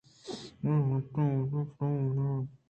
بلےلہتیں وہد ءَ پد آ رامبیت